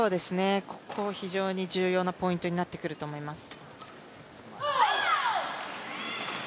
ここ、非常に重要なポイントになってくると思います。